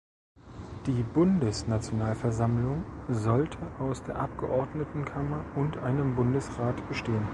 Die Bundes-Nationalversammlung sollte aus der Abgeordnetenkammer und einem Bundesrat bestehen.